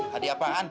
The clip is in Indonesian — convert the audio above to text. hadiah apa an